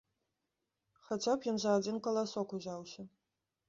Хаця б ён за адзін каласок узяўся.